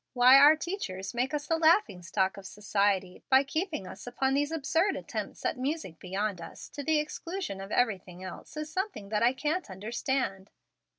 Why our teachers make us the laughing stock of society, by keeping us upon these absurd attempts at music beyond us, to the exclusion of everything else, is something that I can't understand.